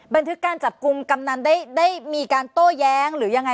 บันทึกการจับกลุ่มกำนันได้มีการโต้แย้งหรือยังไง